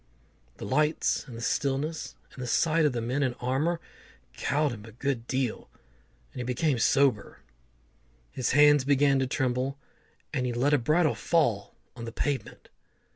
The lights, and the stillness, and the sight of the men in armour, cowed him a good deal, and he became sober. His hands began to tremble, and he let a bridle fall on the pavement.